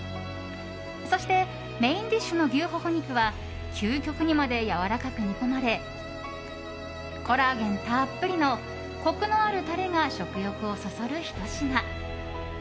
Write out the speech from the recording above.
そして、メインディッシュの牛ほほ肉は究極にまでやわらかく煮込まれコラーゲンたっぷりのコクのあるタレが食欲をそそる、ひと品。